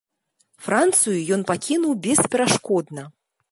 Францыю ён пакінуў бесперашкодна.